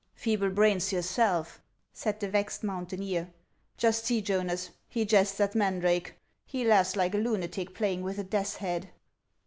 "Feeble brains yourself!" said the vexed mountaineer; "just see, Jonas, he jests at mandrake. He laughs like a lunatic playing with a death's head."